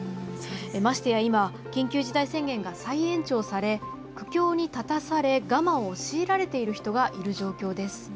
ましてや今、緊急事態宣言が再延長され、苦境に立たされ我慢を強いられている人がいる状況です。